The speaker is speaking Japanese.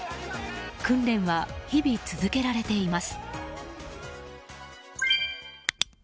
訓練は日々、続けられています。